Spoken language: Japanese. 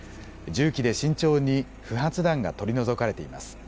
重機で慎重に不発弾が取り除かれています。